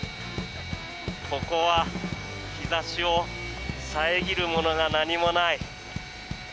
ここは日差しを遮るものが何もない。